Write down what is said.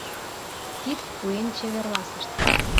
Кид пуэн чеверласышт.